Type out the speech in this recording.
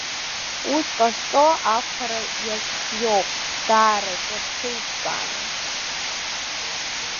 Ус ҟазҵо ақәԥара иазхиоуп, даараӡа рҽеиҿкааны.